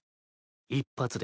一発で。